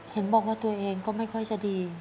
เห็นบอกว่าตัวเองก็ไม่ค่อยจะดี